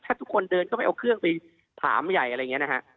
ถ้าทุกคนเดินก็ไม่เอาเครื่องไปถามใหญ่อะไรอย่างนี้นะฮะ